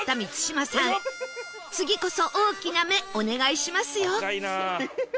次こそ大きな目お願いしますよ